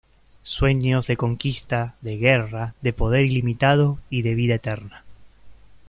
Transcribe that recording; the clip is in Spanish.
Sueños de conquista, de guerra, de poder ilimitado y de vida eterna.